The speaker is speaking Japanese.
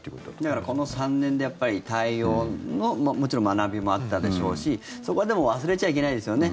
だから、この３年でやっぱり対応のもちろん学びもあったでしょうしそこは、でも忘れちゃいけないですよね。